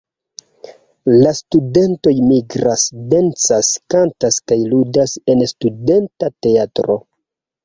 La studentoj migras, dancas, kantas kaj ludas en studenta teatro.